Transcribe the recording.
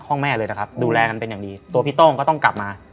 ห้องแม่เลยนะครับดูแลกันเป็นอย่างดีตัวพี่โต้งก็ต้องกลับมา